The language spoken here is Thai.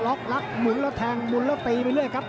ต่อล็อกล็อกหมุนแล้วแทงหมุนแล้วตีไปเลยครับ